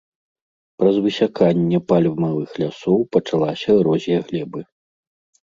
Праз высяканне пальмавых лясоў пачалася эрозія глебы.